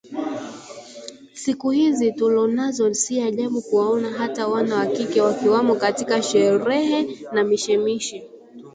Siku hizi tulonazo si ajabu kuwaona hata wana wa kike wakiwamo katika sherehe na mishemishe